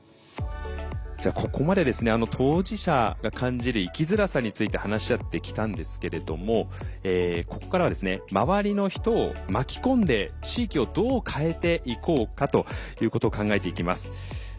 じゃあここまでですね当事者が感じる生きづらさについて話し合ってきたんですけれどもここからは周りの人を巻き込んで地域をどう変えていこうかということを考えていきます。